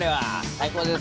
最高です。